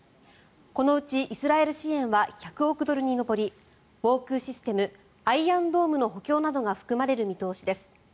このうち、イスラエル支援は１００億ドルに上り防空システムアイアンドームの補強などが含まれる見通しです。